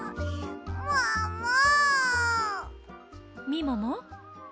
みもも。